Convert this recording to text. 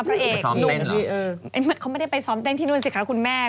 พระเอกไปซ้อมเต้นเหรอเออเขาไม่ได้ไปซ้อมเต้นที่นู่นสิคะคุณแม่